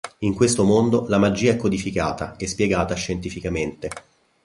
In questo mondo, la magia è codificata e spiegata scientificamente.